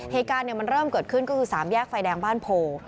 เหตุการณ์มันเริ่มเกิดขึ้นก็คือ๓แยกไฟแดงบ้านโพ